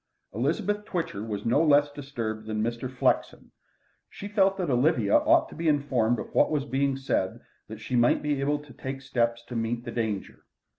Elizabeth Twitcher was no less disturbed than Mr. Flexen. She felt that Olivia ought to be informed of what was being said that she might be able to take steps to meet the danger.